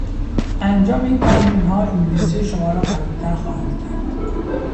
انجام این تمرینها انگلیسی شما را قویتر خواهد کرد.